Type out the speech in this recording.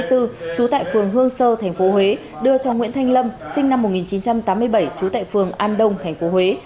trú tại phường hương sơ thành phố huế đưa cho nguyễn thanh lâm sinh năm một nghìn chín trăm tám mươi bảy trú tại phường an đông thành phố huế